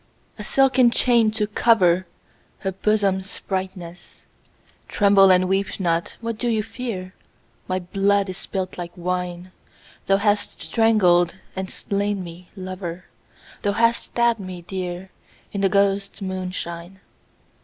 A silken chain, to cover Her bosom's brightness ? (Tremble and weep not : what dost thou fear ?)— My blood is spUt like wine, Thou hast strangled and slain me, lover. Thou hast stabbed me dear. In the ghosts' moonshine.